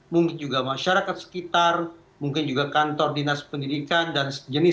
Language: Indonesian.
mungkin juga masyarakat sekitar mungkin juga kantor dinas pendidikan dan sejenisnya